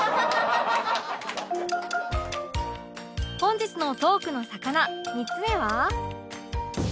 本日のトークのさかな３つ目は